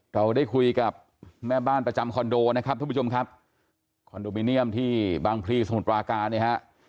เราได้คุยกับแม่บ้านประจำคอนโดนะครับทุกผู้ชมครับคอนโดมิเนียมที่บางพลีสมุทรปราการเนี่ยฮะ